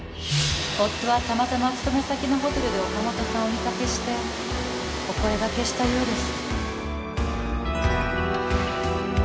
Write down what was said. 夫はたまたま勤め先のホテルで岡本さんをお見かけしてお声掛けしたようです。